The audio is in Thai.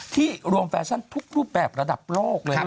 ที่รวมแฟชั่นทุกรูปแบบระดับโลกเลย